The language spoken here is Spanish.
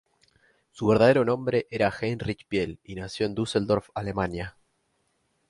Su verdadero nombre era Heinrich Piel, y nació en Düsseldorf, Alemania.